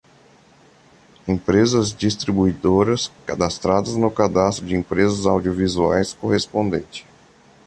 Empresas distribuidoras cadastradas no cadastro de empresas audiovisuais correspondente.